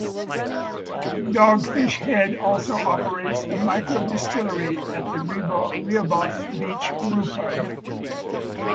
Dogfish Head also operates a microdistillery at the Rehoboth Beach brewpub.